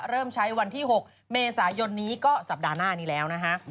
เริ่มใช้วันที่๖เมษายนนี้ก็สัปดาห์หน้านี้แล้วนะฮะ